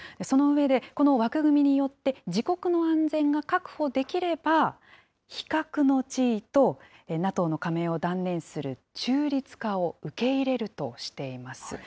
その上で、この枠組みによって、自国の安全が確保できれば、非核の地位と、ＮＡＴＯの加盟を断念する中立化を受け入れるとしています。